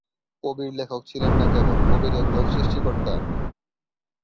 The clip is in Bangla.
কবীর লেখক ছিলেন না কেবল, কবীর একজন সৃষ্টিকর্তা।